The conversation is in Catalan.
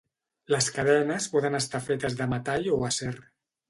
Les cadenes poden estar fetes de metall o acer.